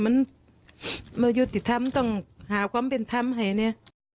มันไม่ยุติธรรมต้องหาความเป็นธรรมให้เนี่ย